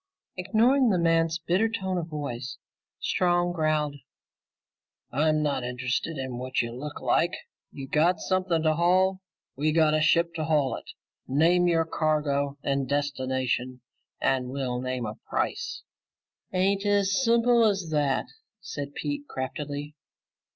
Ignoring the man's bitter tone of voice, Strong growled, "I'm not interested in what you look like. You got something to haul; we got a ship to haul it. Name your cargo and destination, and we'll name a price." "Ain't as simple as that," said Pete craftily.